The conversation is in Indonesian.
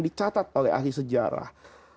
dicatat oleh ahli sejarah